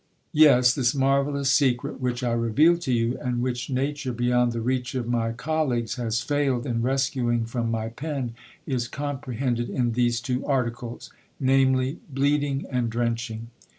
Yes, this marvellous secret which I reveal to you, and which nature, beyond the reach of my col leagues, has failed in rescuing from my pen, is comprehended in these two articles — namely, bleeding and drenching.